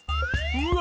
うわ！